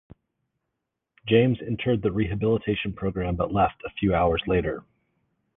James entered the rehabilitation program but left a few hours later.